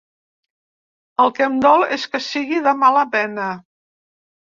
El que em dol és que sigui de mala mena.